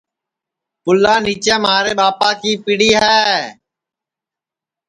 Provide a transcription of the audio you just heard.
پُلا نیچے مھارے ٻاپا کی پیڑی ہے